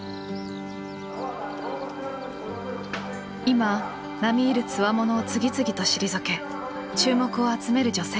今並み居るつわものを次々と退け注目を集める女性がいます。